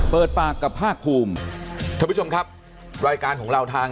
เปิดปากกับภาคภูมิท่านผู้ชมครับรายการของเราทาง